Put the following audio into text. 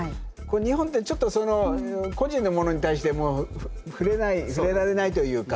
日本ってちょっとその個人のものに対して触れない触れられないというか。